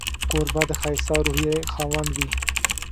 کوربه د ښایسته روحيې خاوند وي.